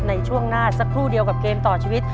ในช่วงหน้าสักครู่เดียวกับเกมต่อชีวิต